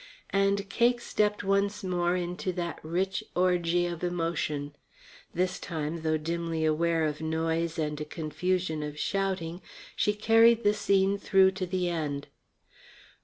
And Cake stepped once more into that rich orgy of emotion. This time, though dimly aware of noise and a confusion of shouting, she carried the scene through to the end.